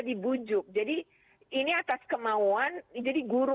dibujuk jadi ini atas kemauan jadi guru